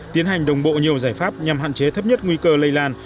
tiến hành đồng bộ nhiều giải pháp nhằm hạn chế thấp nhất nguy cơ lây lan